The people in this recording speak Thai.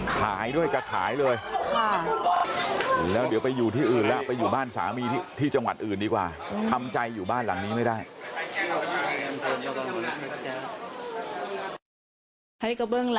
ขายด้วยจะขายเลยแล้วเดี๋ยวไปอยู่ที่อื่นแล้วไปอยู่บ้านสามีที่จังหวัดอื่นดีกว่าทำใจอยู่บ้านหลังนี้ไม่ได้